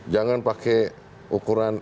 jangan pakai ukuran